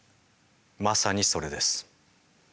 まさにそれです。